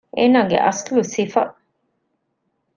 އޭނާގެ އަސްލު ސިފަ